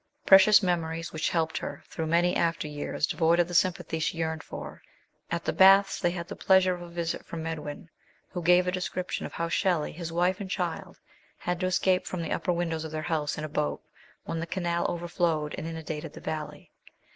Precious memories which helped her through many after years devoid of the sympathy she yearned for. At the Baths they had the pleasure of a visit from Medwin, who gave GODWIN AND " VALPERGA." 147 a description of how Shelley, his wife and child, had to escape from the upper windows of their house in a boat when the canal overflowed and inundated the valley.